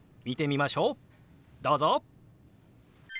どうぞ！